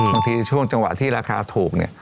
ช่วงจังหวะที่ราคาถูกเนี่ย